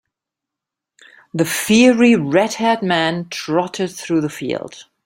The fiery red-haired man trotted through the field.